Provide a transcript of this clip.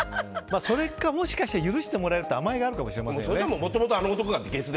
それか、もしかしたら許してもらえるっていう甘えがあるかもしれないよね。